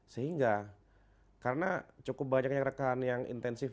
sehingga karena cukup banyaknya rekan yang intensif